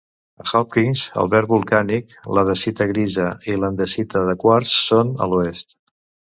A Hawkins el verd volcànic, la dacita grisa i l'andesita de quars són a l'oest.